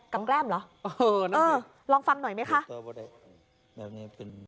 ำแกล้มเหรอเออนะลองฟังหน่อยไหมคะ